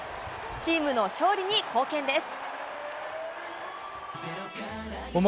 チームの勝利に貢献です。